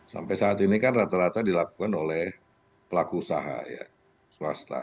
sampai saat ini kan rata rata dilakukan oleh pelaku usaha ya swasta